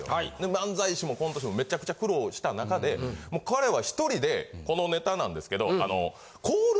漫才師もコント師もめちゃくちゃ苦労した中で彼はひとりでこのネタなんですけどあの。